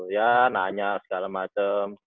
ya nanya segala macem